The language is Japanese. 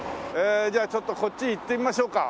じゃあちょっとこっち行ってみましょうか。